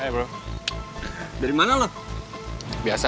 bro dari mana lu biasa